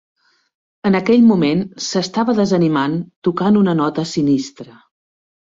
En aquell moment s'estava desanimant, tocant una nota sinistra.